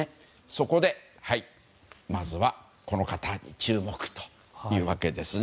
そこで、まずはこの方に注目というわけです。